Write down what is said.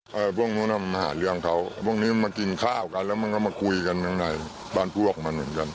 ใช่พวกนู้นมาหาเรื่องเขาพวกนี้มากินข้าวกันแล้วมันก็มาคุยกันข้างในบ้านพวกมันเหมือนกัน